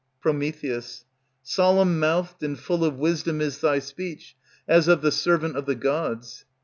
Pr. Solemn mouthed and full of wisdom Is thy speech, as of the servant of the gods.